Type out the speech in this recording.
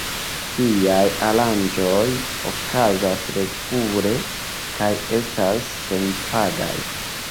Tiaj aranĝoj okazas regule kaj estas senpagaj.